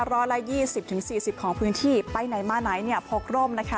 ร้อยละ๒๐๔๐ของพื้นที่ไปไหนมาไหนเนี่ยพกร่มนะคะ